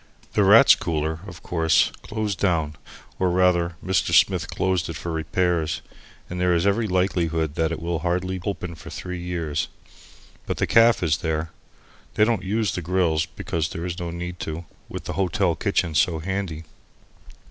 The Rats' Cooler, of course, closed down, or rather Mr. Smith closed it for repairs, and there is every likelihood that it will hardly open for three years. But the caff is there. They don't use the grills, because there's no need to, with the hotel kitchen so handy.